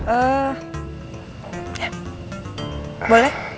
oh eh ya boleh